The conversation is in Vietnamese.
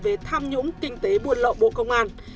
về tham nhũng kinh tế buồn lộ bộ công an